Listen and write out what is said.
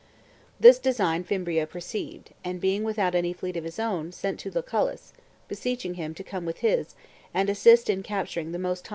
This design Fimbria perceived, and being without any fleet of his own, sent to Lucullus, beseeching him to come with his, and assist in capturing the 1 85 B.C.